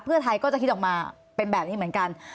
เพื่อไทยก็จะคิดออกมาเป็นแบบนี้เหมือนกัน